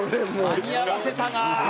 間に合わせたなあ。